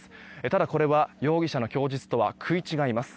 ただこれは容疑者の供述とは食い違います。